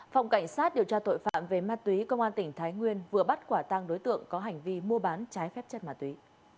phòng cảnh sát điều tra tội phạm về ma túy công an tỉnh thái nguyên vừa bắt quả tăng đối tượng có hành vi mua bán trái phép chất ma túy